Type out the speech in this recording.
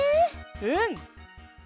うん！